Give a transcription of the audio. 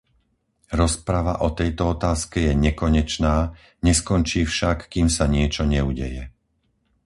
Rozprava o tejto otázke je nekonečná, neskončí však, kým sa niečo neudeje.